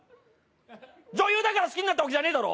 女優だから好きになったわけじゃねえだろ？